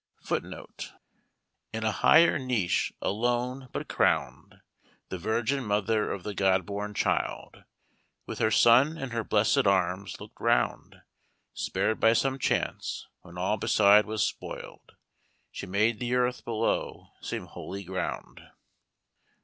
[Footnote: " in a higher niche, alone, but crown'd, The Virgin Mother of the God born child With her son in her blessed arms, looked round, Spared by some chance, when all beside was spoil'd: She made the earth below seem holy ground."